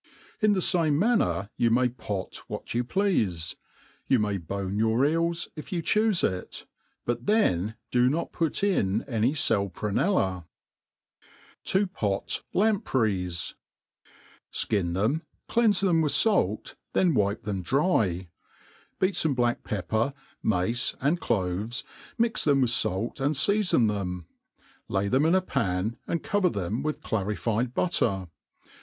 In the fame manner you may pot what you pleafe. You may bone your eels, if you chufe.it ; but then do not put in any fal prunella; To pot Lampreys, SKIN them, cleanfe them with fait, then wipe them dry ; beat fome black pepper, mace, and cloves, mix them with fait, and feafon them. Lay them in a pan, and cover them with clarified butter.